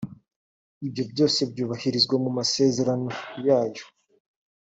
ibyo byose byubahirizwa mu masezerano yayo